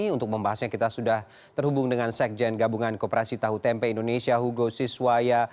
untuk membahasnya kita sudah terhubung dengan sekjen gabungan koperasi tahu tempe indonesia hugo siswaya